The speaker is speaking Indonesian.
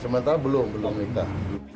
sementara belum belum nikah